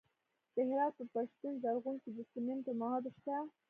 د هرات په پشتون زرغون کې د سمنټو مواد شته.